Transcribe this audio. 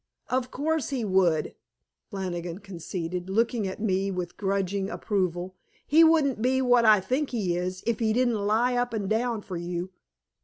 "Of course he would," Flannigan conceded, looking at me with grudging approval. "He wouldn't be what I think he is, if he didn't lie up and down for you."